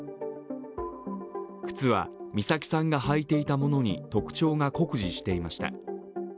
靴は美咲さんが履いていたものに特徴が酷似していました。